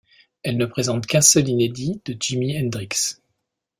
Elle ne présente qu'un seul inédit de Jimi Hendrix.